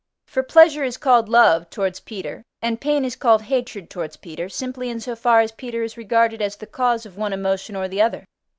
For pleasure is called love towards Peter, and pain is called hatred towards Peter, simply in so far as Peter is regarded as the cause of one emotion or the other.